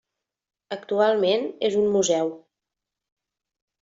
Actualment és un museu.